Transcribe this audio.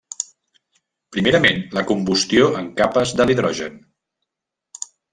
Primerament, la combustió en capes de l'hidrogen.